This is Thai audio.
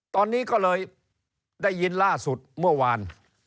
ตอนนี้ก็เลยได้ยินล่าสุดเมื่อวาน